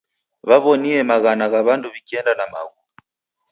Waw'onie maghana gha w'andu w'ikienda na maghu.